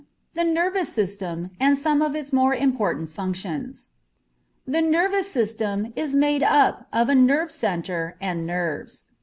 THE NERVOUS SYSTEM AND SOME OF ITS MORE IMPORTANT FUNCTIONS. The nervous system is made up of a nerve centre and nerves.